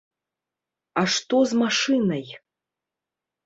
А што з машынай?